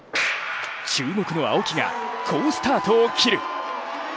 注目の青木が好スタートを切る。